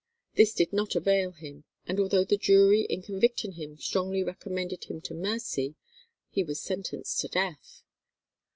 This did not avail him, and although the jury in convicting him strongly recommended him to mercy, he was sentenced to death.